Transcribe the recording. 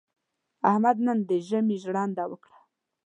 احمد نن د ژمي ژرنده وکړه.